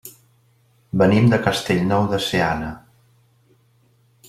Venim de Castellnou de Seana.